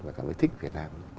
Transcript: và cảm thấy thích việt nam